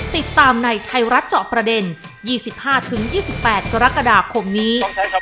ติดตามในไทยรัฐเจาะประเด็น๒๕๒๘กรกฎาคมนี้